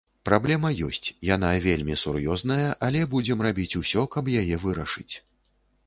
Праблема ёсць, яна вельмі сур'ёзная, але будзем рабіць усё, каб яе вырашыць.